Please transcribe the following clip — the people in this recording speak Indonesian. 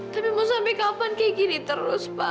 tapi mau sampai kapan kayak gini terus pak